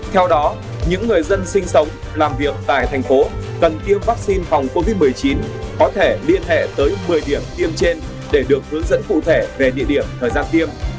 theo đó những người dân sinh sống làm việc tại thành phố cần tiêm vaccine phòng covid một mươi chín có thể liên hệ tới một mươi điểm tiêm trên để được hướng dẫn cụ thể về địa điểm thời gian tiêm